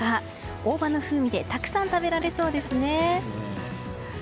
大葉の風味でたくさん食べられそうですね。